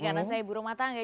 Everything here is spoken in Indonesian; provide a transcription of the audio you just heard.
gak rasai burung matang ya